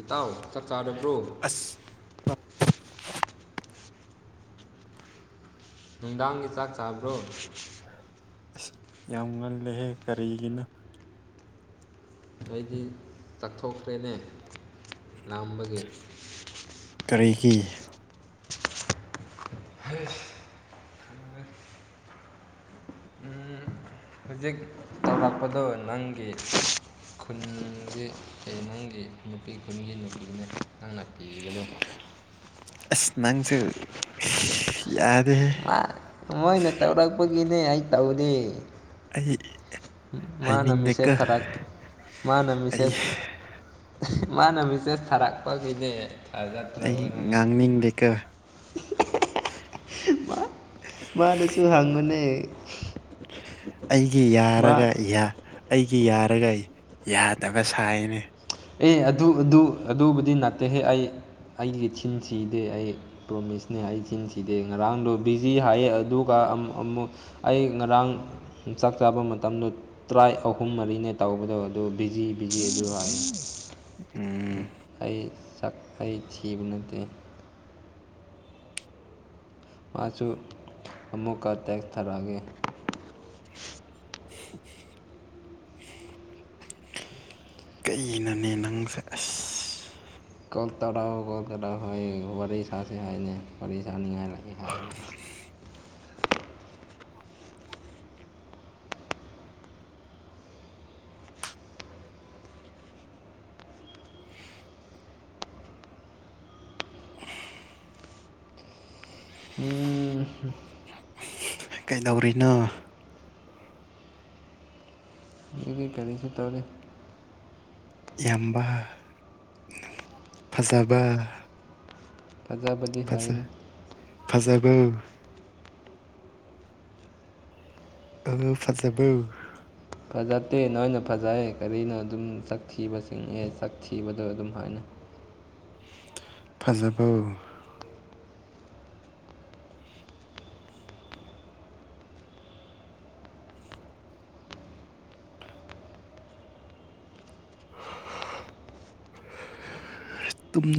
ꯏꯇꯥꯎ ꯆꯞ ꯆꯥꯔꯕ꯭ꯔꯣ ꯑꯁ ꯅꯨꯡꯗꯥꯡꯒꯤ ꯆꯥꯛ ꯆꯥꯕ꯭ꯔꯣ ꯑꯁ ꯌꯥꯝ ꯉꯜꯂꯦꯍꯦ ꯀꯔꯤꯒꯤꯅꯣ ꯑꯩꯗꯤ ꯆꯥꯛꯊꯣꯛꯇ꯭ꯔꯦꯅꯦ ꯂꯥꯝꯕꯒꯤ ꯀꯔꯤꯒꯤ ꯍꯥꯏꯁ ꯎꯝ ꯍꯧꯖꯤꯛ ꯇꯧꯂꯛꯄꯗꯨ ꯅꯪꯒꯤ ꯈꯨꯟꯁ ꯑꯩ ꯅꯪꯒꯤ ꯅꯨꯄꯤ ꯈꯨꯟꯒꯤ ꯅꯨꯄꯤꯗꯨꯅꯦ ꯅꯪꯅ ꯄꯤꯕꯗꯣ [inaudible] ꯑꯁ ꯅꯪꯁꯨꯦ ꯌꯥꯗꯦ ꯃꯥ ꯃꯣꯏꯅ ꯇꯧꯔꯛꯄꯒꯤꯅꯦ ꯑꯩ ꯇꯧꯗ ꯑꯩ ꯃꯥꯅ ꯍꯥꯏꯅꯤꯡꯗꯦꯀꯣ ꯃꯦꯁꯦꯖ ꯊꯔꯛ ꯃꯥꯅ ꯑꯩ ꯃꯦꯁꯦꯖ ꯃꯥꯅ ꯃꯤꯆꯦꯁ ꯊꯥꯔꯛꯄꯒꯤꯅꯦ ꯑꯩ ꯉꯥꯡꯅꯤꯡꯂꯤꯦꯀ ꯃꯥꯅꯁꯨ ꯍꯪꯉꯨꯅꯦ ꯑꯩꯒꯤ ꯌꯥꯔꯒ ꯏ ꯑꯩꯒꯤ ꯌꯥꯔꯒ ꯑꯩ ꯌꯥꯗꯕ ꯁꯥꯏꯅꯤ ꯑꯦ ꯑꯗꯨ ꯑꯗꯨ ꯑꯗꯨꯕꯨꯗꯤ ꯅꯠꯇꯦꯍꯦ ꯑꯩ ꯑꯩꯒꯤ ꯊꯤꯟꯁꯤꯗꯤ ꯑꯩ ꯄ꯭ꯔꯣꯃꯤꯁꯅꯦ ꯍꯥꯏ ꯆꯤꯟꯁꯤꯗꯤ ꯉꯔꯥꯡꯗꯣ ꯕꯤꯖꯤ ꯍꯥꯏ ꯑꯗꯨꯒ ꯑꯃꯨꯛ ꯑꯩ ꯉꯔꯥꯡ ꯆꯥꯛ ꯆꯥꯕ ꯃꯇꯝꯗ ꯇꯔꯥ ꯑꯍꯨꯝ ꯃꯔꯤꯅꯦ ꯇꯧꯕꯗꯣ ꯑꯗꯨ ꯕꯤꯖꯤ ꯕꯤꯤꯖꯤ ꯑꯗꯨ ꯍꯥꯏ ꯎꯝ ꯑꯩ ꯁꯛ ꯑꯩꯩ ꯊꯤꯕ ꯅꯠꯇꯦ ꯃꯥꯁꯨ ꯑꯃꯨꯛꯀ ꯇꯦꯛꯁ ꯊꯥꯔꯛꯑꯒꯦ [inaudible] ꯀꯅꯅꯦ ꯅꯪ ꯑꯁ ꯀ ꯇꯔꯥꯎ ꯀ ꯇꯔꯔꯤꯁꯁꯤꯁꯉꯥꯏ ꯀꯔꯤ ꯍꯥꯏꯅ [inaudible] ꯎꯝ ꯀꯩꯗꯧꯔꯤꯅꯣ ꯁꯤꯒꯤ ꯀꯔꯤꯁꯨ ꯇꯧꯔꯤ ꯏꯕ ꯐꯖꯕ ꯊꯖꯥꯕꯗꯤ ꯍꯥꯏꯒꯅꯤ ꯐꯖꯕ ꯑꯧ ꯐꯖꯕꯔꯣ ꯐꯖꯠꯇꯦ ꯅꯣꯏꯅ ꯐꯖꯩ ꯀꯔꯤꯅꯣ ꯑꯗꯨꯝ ꯆꯛ ꯊꯤꯕ ꯆꯤꯡꯉꯦ꯫ ꯆꯛ ꯊꯤꯕꯗꯣ ꯑꯗꯨꯝ ꯍꯥꯏꯅ ꯐꯖꯕꯧ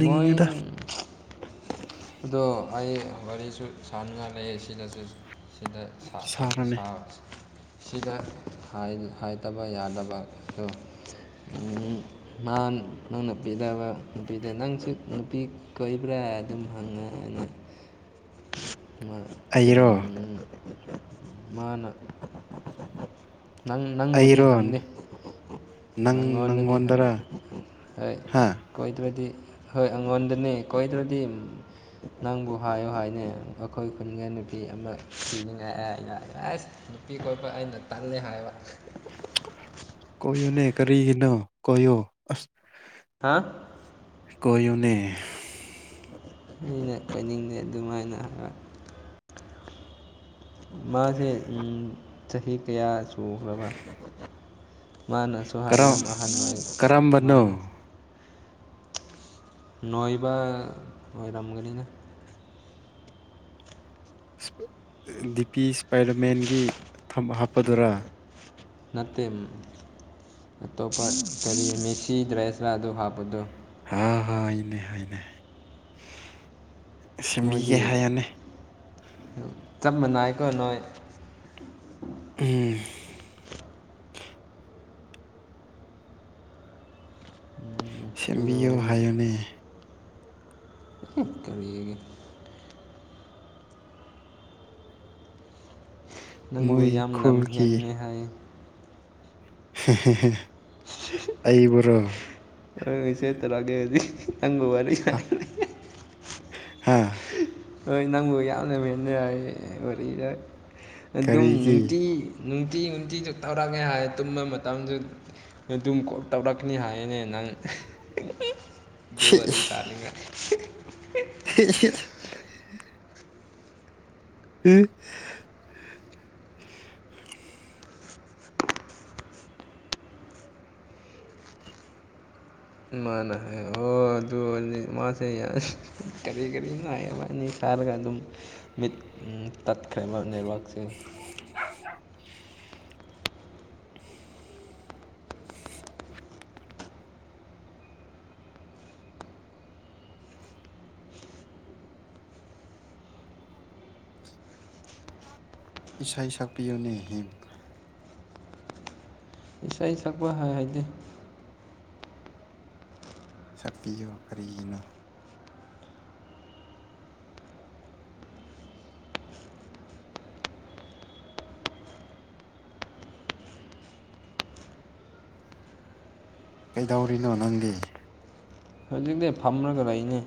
ꯃꯣꯏ ꯑꯗꯣ ꯑꯩ ꯋꯥꯔꯤꯁꯨ ꯁꯥꯟꯅꯉꯥꯏ ꯂꯩ ꯁꯤꯗꯁꯨ ꯁꯤꯗ ꯁꯥꯠ ꯍꯩꯔ ꯁꯥꯔꯅꯦ ꯁꯥꯕꯁꯦ ꯁꯤꯗ ꯍꯥꯏꯗ ꯍꯥꯏꯇꯕ ꯌꯥꯗꯕ ꯇꯣ ꯎꯝ ꯅꯥꯍꯥꯟ ꯅꯪꯅ ꯄꯤꯗꯕ ꯅꯨꯄꯤꯗ ꯅꯪꯁꯨ ꯅꯨꯄꯤ ꯀꯣꯏꯕ꯭ꯔꯥ ꯑꯗꯨꯝ ꯍꯪꯉꯦ ꯑꯩꯅ ꯃ ꯑꯩꯔꯣ ꯃꯥꯅ ꯅꯪ ꯅꯪꯕꯨꯗꯤ ꯑꯩꯔꯣ ꯍꯪꯗꯦ꯫ ꯅꯪ ꯅꯪꯉꯣꯟꯗꯗꯤ ꯍꯪ ꯅꯪꯉꯣꯟꯗꯔ ꯍꯣꯏ ꯍꯥ ꯀꯣꯏꯗ꯭ꯔꯗꯤ ꯍꯣꯏ ꯑꯉꯣꯟꯗꯅꯦ ꯀꯣꯏꯗ꯭ꯔꯗꯤ ꯅꯪꯕꯨ ꯍꯥꯏꯌꯨ ꯍꯥꯏ ꯅꯦ ꯑꯈꯣꯏ ꯈꯨꯟꯒ ꯅꯨꯄꯤ ꯑꯃ ꯊꯤꯅꯤꯡꯉꯥꯏ ꯑꯩꯅ ꯅꯨꯄꯤ ꯀꯣꯢꯄ ꯑꯩꯅ ꯇꯟꯅꯦ ꯍꯥꯏꯕ꯫ ꯀꯣꯏꯌꯨꯅꯦ ꯀꯔꯤꯒꯤꯅꯣ ꯀꯣꯏꯌꯣ ꯑꯁ ꯍꯥꯥ ꯀꯣꯏꯌꯨꯅꯦ ꯑꯩꯅ ꯀꯥꯏꯅꯤꯡꯗꯦ ꯑꯗꯨꯃꯥꯏꯅ ꯍꯥꯌꯕ ꯃꯥꯁꯦ ꯎꯝ ꯆꯍꯤ ꯀꯌꯥ ꯁꯨꯈ꯭ꯔꯕ꯫ ꯃꯥꯅꯁꯨ ꯍꯥꯏ ꯌꯥꯝ ꯀꯔꯝ ꯑꯍꯟ ꯑꯣꯏ ꯃꯥꯅ ꯀꯔꯝꯕꯅꯣ ꯅꯣꯏꯕ ꯑꯣꯏꯔꯝꯒꯅꯤꯅ ꯏꯁ ꯗꯤ ꯄꯤ ꯏꯁꯄꯥꯏꯗꯔꯃꯦꯟꯒꯤ ꯊꯝ ꯍꯥꯞꯄꯗꯨꯔꯥ ꯅꯠꯇꯦ ꯃ ꯑꯇꯣꯞꯄ ꯀꯔꯤ ꯃꯦꯁꯤ ꯗ꯭ꯔꯦꯁ ꯔ ꯑꯗꯨ ꯍꯥꯞꯄꯗꯣ꯫ ꯑꯍꯥ ꯍꯥꯏꯅꯦ ꯍꯥꯏꯅꯦ꯫ ꯃꯣꯏꯗꯤ ꯁꯦꯝꯕꯤꯒꯦ ꯍꯥꯏꯌꯣꯅꯦ ꯆꯞ ꯃꯥꯟꯅꯥꯏꯀꯣ ꯅꯣꯏ꯫ ꯎꯝ ꯑꯗꯨ ꯁꯦꯝꯕꯤꯌꯣ ꯑꯣꯏꯔꯗꯤ ꯍꯥꯏꯌꯨꯅꯦ꯫ ꯑꯥ ꯀꯔꯤꯒꯦ ꯅꯪꯕꯨ ꯃꯣꯏ ꯌꯥꯝ ꯂꯝ ꯈꯨꯜꯒꯤ ꯍꯟꯅꯦ ꯍꯥꯏꯌꯦ꯫ ꯍꯦ ꯍꯦ ꯍꯦ ꯑꯩꯕꯨꯔꯣ꯫ ꯍꯣꯌ ꯁꯦꯠꯇꯔꯒꯦꯗꯤ ꯅꯪꯕꯨ ꯋꯥꯔꯤ ꯁ ꯍꯥꯥ ꯍꯣꯏ ꯅꯪꯕꯨ ꯌꯥꯝꯅ ꯃꯦꯅ ꯑꯩ ꯑꯣꯔꯔ ꯑꯦ ꯑꯗꯨꯝ ꯀꯔꯤꯒꯤ ꯅꯨꯡꯇꯤ ꯅꯨꯡꯇꯤ ꯅꯨꯡꯇꯤꯖꯨ ꯊꯧꯔꯛꯉꯦ ꯍꯥꯏ ꯇꯨꯝꯕ ꯃꯇꯝꯗꯨ ꯑꯗꯨꯝ ꯀꯦꯜ ꯇꯧꯔꯛꯀꯅꯤ ꯍꯥꯏꯌꯦꯅꯦ ꯅꯪ ꯍꯦ ꯗꯣ ꯋꯥꯔꯤ ꯁꯥꯅꯤꯉꯥꯏ ꯑꯍꯦ ꯍꯦ ꯍꯦ ꯍ ꯃꯥꯅ ꯍꯥꯏ ꯑꯣ ꯑꯗꯨ ꯑꯣꯏꯗꯤ ꯃꯥꯁꯦ ꯌꯥ ꯀꯔꯤ ꯀꯔꯤ ꯉꯥꯏ ꯃꯥꯅꯤ ꯊꯥꯔꯒ ꯑꯗꯨꯝ ꯃꯤꯠ ꯎꯝ ꯇꯠꯈ꯭ꯔꯦꯕ ꯅꯦꯠꯋꯥꯛꯁꯦ꯫ ꯏꯁꯩ ꯁꯛꯄꯤꯌꯨꯅꯦ ꯍꯤꯝ ꯏꯁꯩ ꯁꯛꯄ ꯍꯥ ꯍꯥꯏꯇꯦ꯫ ꯁꯛꯄꯤꯌꯣ ꯀꯔꯤꯒꯤꯅꯣ ꯀꯩꯗꯧꯔꯤꯅꯣ ꯅꯪꯗꯤ꯫ ꯍꯧꯖꯤꯛꯇꯤ ꯐꯝꯔꯒ ꯂꯩꯅꯤ꯫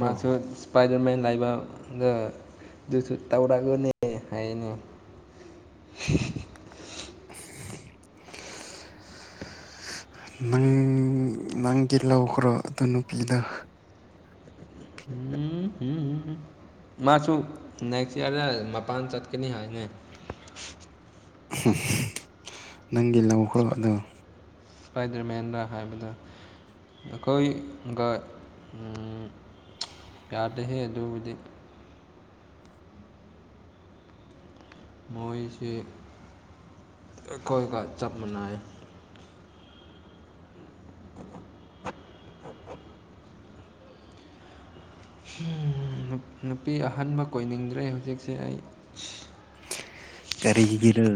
ꯃꯥꯁꯨ ꯏꯁꯄꯥꯏꯗꯔꯃꯦꯟ ꯂꯩꯕ ꯗ ꯑꯗꯨꯁꯨ ꯇꯧꯔꯛꯑꯒꯅꯦ ꯍꯥꯏꯌꯦꯅꯦ꯫ [unintelligible] [unintelligible] ꯅꯪ ꯅꯪꯒꯤ ꯂꯧꯈ꯭ꯔꯣ ꯑꯗꯨ ꯅꯨꯄꯤꯗ ꯃꯥꯁꯨ ꯅꯦꯛꯁ ꯏꯌꯥꯔꯗ ꯃꯄꯥꯟ ꯆꯠꯀꯅꯤ ꯍꯥꯏꯅꯦ ꯅꯪꯗꯤ ꯂꯧꯈ꯭ꯔꯣ ꯑꯗꯣ ꯈꯏꯗ꯭ꯔꯃꯦꯟꯗ꯭ꯔꯥ ꯍꯥꯏꯕꯗ ꯑꯩꯈꯣꯏꯒ ꯌꯥꯗꯦ ꯑꯗꯨꯕꯨꯗꯤ ꯃꯣꯏꯁꯤ ꯑꯩꯈꯣꯏꯒ ꯆꯞ ꯃꯥꯟꯅꯩ [unintelligible] ꯅꯨꯄꯤ ꯑꯍꯟꯕ ꯀꯣꯏꯅꯤꯡꯗ꯭ꯔꯦ ꯍꯧꯖꯤꯛꯁꯦ ꯑꯩ ꯀꯔꯤꯒꯔꯥ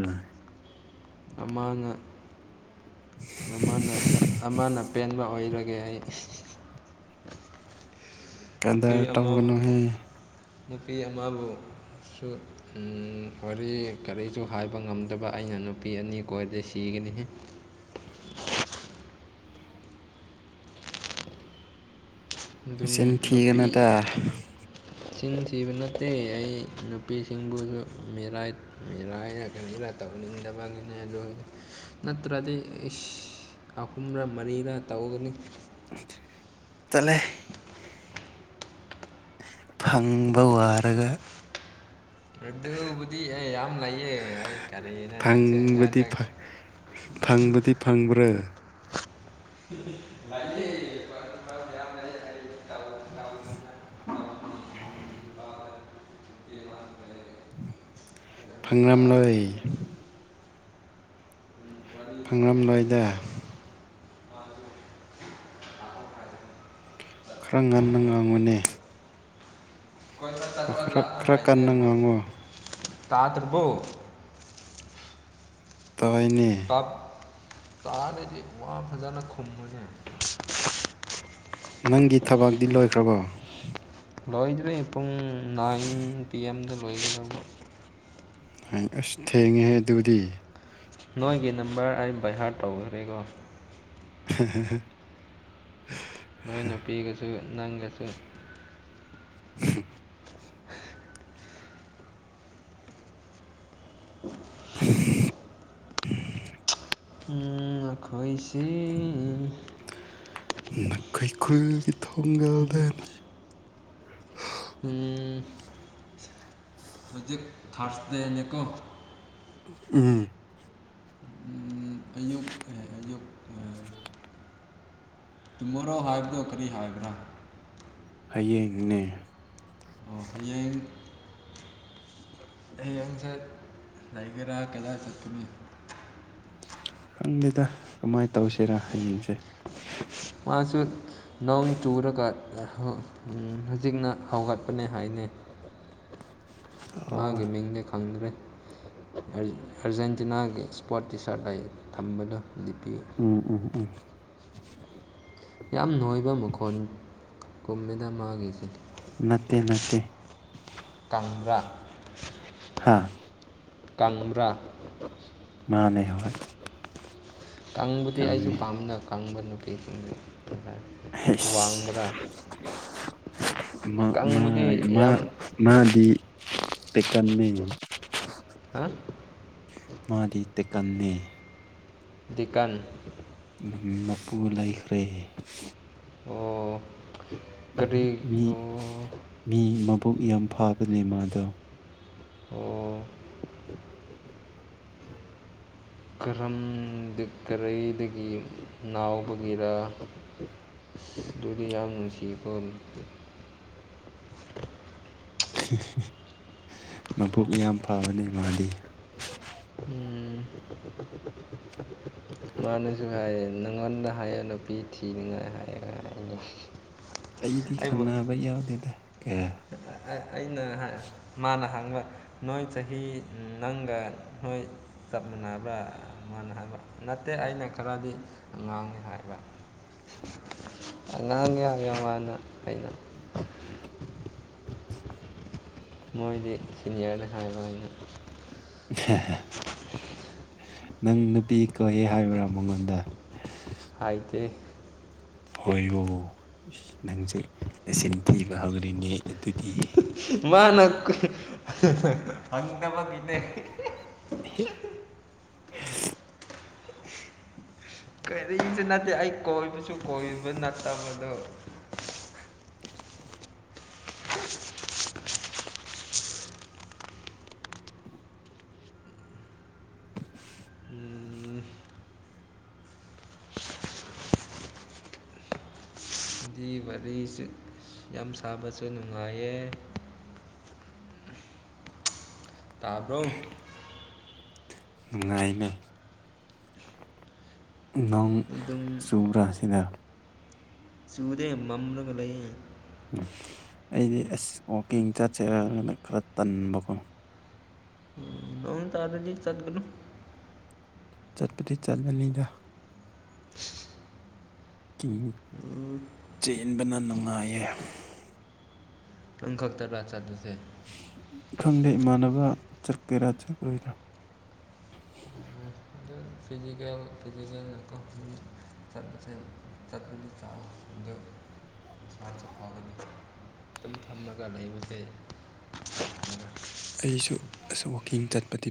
ꯑꯃꯥꯡꯉ ꯑꯃꯅ ꯄꯦꯟꯕ ꯑꯣꯏꯔꯒꯦ ꯑꯩ ꯅꯨꯄꯤ ꯀꯗꯔ ꯑꯃꯕꯨ ꯇꯧꯒꯅꯨꯍꯦ ꯅꯨꯄꯤ ꯑꯃꯕꯨꯁꯨ ꯋꯥꯔꯤ ꯀꯔꯤꯁꯨ ꯍꯥꯏꯕ ꯉꯝꯗꯕ ꯑꯩꯅ ꯅꯨꯄꯤ ꯑꯅꯤ ꯀꯣꯏꯔꯗꯤꯦ ꯁꯤꯒꯅꯤ ꯆ ꯊꯤꯅ ꯇ [unintelligible] ꯏꯁꯤꯡ ꯊꯤꯕ ꯅꯠꯇꯦ ꯑꯩ ꯅꯨꯄꯤꯁꯤꯡꯕꯨꯁꯨ ꯃꯤꯔꯥꯏ ꯃꯤꯦꯔꯥꯏꯅ ꯀꯩꯅꯔ ꯇꯕꯅꯤꯗꯕꯒꯤꯅꯦꯗ ꯅꯠꯇ꯭ꯔꯗꯤ ꯏꯁ ꯑꯍꯨꯝꯔ ꯃꯔꯤꯔꯥ ꯇꯧꯒꯅꯤ ꯇꯂꯦ ꯐꯪꯕ ꯋꯥꯔꯒ ꯑꯗꯨꯕꯨꯗꯤ ꯑꯩ ꯌꯥꯝ ꯂꯩꯥꯏꯌꯦ ꯑꯩ ꯀꯔꯤꯅ ꯅꯪ ꯐꯪꯕꯗꯤ ꯁꯛꯉꯥꯟꯗ ꯐꯪꯕꯗꯤ ꯐꯪꯕ꯭ꯔꯥ ꯎ [unintelligible] ꯐꯥꯒ꯭ꯔꯝ ꯂꯣꯏ ꯐꯪꯂꯝꯂꯣꯏꯗ ꯈꯔ ꯉꯟꯅ ꯉꯥꯡꯒꯅꯤ ꯀꯣꯏꯕ ꯆꯠꯄ ꯈꯔ ꯈꯔ ꯀꯟꯅ ꯉꯥꯡꯉꯨ ꯇꯥꯗ꯭ꯔꯕꯨꯣ ꯇꯥꯏꯅꯦ ꯀꯞ ꯇꯥꯗꯗꯤ ꯋꯥ ꯐꯖꯅ ꯈꯨꯝꯕꯁꯦ ꯅꯪꯒꯤ ꯊꯕꯛꯗꯤꯤ ꯂꯣꯏꯈ꯭ꯔꯕꯣ ꯂꯣꯏꯗ꯭ꯔꯦ ꯄꯨꯡ ꯅꯥꯏꯟ ꯄꯤ ꯑꯦꯝꯗ ꯂꯣꯏꯒꯗꯕ ꯑꯁ ꯊꯦꯡꯉꯦꯍ ꯑꯗꯨꯗꯤ ꯅꯣꯏꯒꯤ ꯅꯝꯕꯔ ꯑꯩ ꯕꯩꯍꯥꯔ ꯇꯧꯈ꯭ꯔꯦꯒꯣ ꯍ ꯍ ꯍ ꯅꯣꯏ ꯅꯨꯄꯤꯒꯁꯨ ꯅꯪꯒꯁꯨ ꯎ [unintelligible] ꯎꯝ ꯑꯩꯈꯣꯏꯁꯤ ꯀꯩ ꯈꯨꯒꯤ ꯊꯣꯡꯒꯗꯅꯤ ꯑꯅꯤ ꯍꯧꯖꯤꯛ ꯊꯥꯔꯁ ꯗꯦꯅꯤꯀꯣ ꯎꯝ ꯑꯌꯨꯛ ꯑꯌꯨꯛ ꯇꯨꯃꯣꯔꯣ ꯍꯥꯏꯕꯗꯣ ꯀꯔꯤ ꯍꯥꯏꯕ꯭ꯔꯥ ꯍꯌꯦꯡꯅꯦ ꯑꯣ ꯍꯌꯦꯡ ꯑꯩ ꯍꯪꯆꯠ ꯇꯥꯏꯒꯔꯥ ꯀꯂꯥ ꯆꯠꯄꯅꯤ ꯈꯪꯗꯦꯗ ꯀꯃꯥꯏꯅ ꯇꯧꯁꯤꯔ ꯍꯌꯦꯡꯁꯦ ꯃꯥꯁꯨ ꯅꯧ ꯆꯨꯔꯒ ꯍꯧꯖꯤꯛꯅ ꯍꯧꯒꯠꯄꯅꯦ ꯍꯥꯏꯅꯩ ꯑꯣ ꯃꯥꯒꯤ ꯃꯤꯡꯗꯤ ꯈꯪꯗ꯭ꯔꯦ ꯑꯔꯖꯦꯟꯇꯤꯅꯥꯒꯤ ꯏꯁꯄꯣꯔꯠ ꯇꯤ ꯁꯥꯔꯠ ꯊꯝꯕꯗꯨ ꯂꯤꯞꯄꯤꯌꯨ ꯎꯝ ꯎꯝ ꯎꯝ ꯌꯥꯝ ꯅꯣꯏꯕ ꯃꯈꯣꯟ ꯄꯨꯝꯃꯤꯅ ꯃꯥꯒꯤꯁꯦ ꯅꯠꯇꯦ ꯅꯠꯇ ꯀꯪꯕ꯭ꯔꯥ ꯍꯥꯥ ꯀꯥꯡꯕ꯭ꯔꯥ ꯃꯥꯅꯦ ꯍ ꯀꯪꯕꯨꯗꯤ ꯑꯩꯁꯨ ꯄꯥꯝꯅ ꯀꯪꯕ ꯅꯨꯄꯤꯁꯤꯡꯗꯨ ꯃꯥꯏ ꯀꯪꯕꯗꯤ ꯃꯥ ꯌꯥꯝ ꯃꯥꯗꯤ ꯇꯀꯟꯃꯦ ꯍꯥ ꯃꯥꯔꯤ ꯇ ꯀꯅꯤ ꯀꯥꯟ ꯃꯄꯨ ꯂꯩꯈ꯭ꯔꯦ ꯑꯣ ꯀꯔꯤ ꯃꯤ ꯑꯣ ꯃꯤ ꯃꯕꯨꯛ ꯌꯥꯝ ꯐꯥꯕꯅꯦ ꯃꯥꯗ ꯑꯣ ꯀꯔꯝ ꯀꯔꯗꯒꯤ ꯂꯥꯥꯎꯕꯒꯤꯔ ꯑꯗꯨꯗꯤ ꯌꯥꯝ ꯅꯨꯡꯁꯤꯕ ꯑꯣꯏ ꯃꯕꯨꯛ ꯌꯥꯝ ꯐꯕꯅꯦ ꯃꯥꯗꯤ ꯎꯝ ꯃꯥꯅꯁꯨ ꯍꯥꯏꯌꯦ ꯅꯪꯉꯟꯅ ꯍꯥꯏꯌꯦ ꯅꯨꯄꯤ ꯊꯤꯅꯤꯡꯉꯥꯏ ꯍꯥꯏꯌꯦꯒ ꯍꯥꯏꯅꯤ ꯑꯩꯗꯤ ꯈꯟꯅꯕ ꯌꯥꯎꯗꯦꯗ ꯀꯦ ꯑꯩꯅ ꯃꯥꯅ ꯍꯥꯡꯕ ꯅꯣꯏ ꯆꯍꯤ ꯅꯪꯒ ꯅꯣꯏ ꯆꯞ ꯃꯥꯟꯅꯕ꯭ꯔ ꯃꯥꯅ ꯍꯥꯏꯕ ꯅꯠꯇꯦ ꯑꯩꯅ ꯈꯔꯗꯤ ꯉꯥꯡꯉꯤ ꯍꯥꯏꯕ ꯑꯉꯥꯡ ꯌꯥꯝ ꯌꯥꯝ ꯋꯥꯅ ꯑꯩꯅ [inaudible] ꯃꯣꯏꯗꯤ ꯁꯤꯅꯤꯌꯔꯅꯤ ꯍꯥꯏꯕ ꯑꯩꯅ ꯅꯪ ꯅꯨꯄꯤ ꯀꯧꯌꯦꯦ ꯍꯥꯏꯕ꯭ꯔꯥ ꯃꯉꯣꯟꯗ ꯍꯥꯏꯗꯤ ꯍꯣꯏꯕꯨ ꯅꯪꯁꯦ ꯑꯁꯤꯆꯤꯟ ꯊꯤꯕ ꯍꯧꯂꯤꯅꯦ ꯑꯗꯨꯗꯤ ꯃꯥꯅ ꯐꯪꯗꯕ ꯄꯤꯗ ꯍ ꯀꯔꯤꯔꯤꯁꯨ ꯅꯠꯇꯦ ꯑꯩ ꯀꯣꯏꯕꯁꯨ ꯀꯣꯏꯕ ꯅꯠꯇꯕꯗꯣ [inaudible] [unintelligible] ꯑꯩꯒꯤ ꯋꯥꯔꯤꯁꯤ ꯌꯥꯝ ꯁꯥꯕꯁꯨ ꯅꯨꯡꯉꯥꯏꯌꯦ ꯇꯥꯕ꯭ꯔꯣ ꯎꯉꯥꯏꯅꯦ ꯅꯣꯡ ꯑꯗꯨꯝ ꯆꯨꯕ꯭ꯔꯥꯁꯤꯗ ꯆꯨꯗꯦ ꯃꯃꯒ ꯂꯩꯌꯦ ꯑꯩꯗꯤ ꯑꯁ ꯋꯥꯛꯀꯤꯡ ꯆꯠꯆꯔꯒꯅ ꯈꯔ ꯇꯟꯕꯀꯣ ꯅ ꯇꯥꯔꯖꯤ ꯆꯠꯒꯌꯃꯝꯝꯟꯃꯝꯅꯨ ꯆꯠꯄꯗꯤ ꯆꯠꯂꯅꯤꯗ ꯎꯝ ꯆꯦꯟꯕꯅ ꯅꯨꯡꯉꯥꯏꯌꯦ ꯅꯪ ꯈꯛꯇꯔ ꯆꯠꯗꯨꯁꯦ ꯈꯪꯗꯦ ꯏꯃꯥꯟꯅꯕ ꯆꯠꯀꯦꯔꯥ ꯆꯠꯂꯣꯏꯔꯥ ꯎ ꯑꯗꯨꯝ ꯐꯤꯖꯤꯀꯦꯜ ꯐꯤꯖꯤꯀꯦꯜꯅꯀꯣ ꯁꯔ ꯁꯔꯄꯗ ꯁꯗ ꯁꯨ ꯐꯒꯅꯤ ꯑꯗꯨꯝ ꯊꯝꯂꯒ ꯂꯩꯕꯁꯦ ꯑꯩꯁꯨ ꯑꯁ ꯋꯥꯛꯀꯤꯡ ꯆꯠꯄꯗꯤ